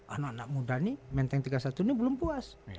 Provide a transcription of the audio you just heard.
anak anak muda nih menteng tiga puluh satu ini belum puas